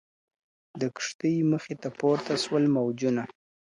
د کښتۍ مخي ته پورته سول موجونه.